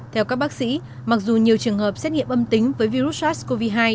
theo các bác sĩ mặc dù nhiều trường hợp xét nghiệm âm tính với virus sars cov hai